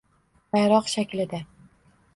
bayroq shaklida